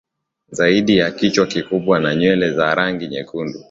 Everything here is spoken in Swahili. zaidi kichwa kikubwa cha nywele za rangi nyekundu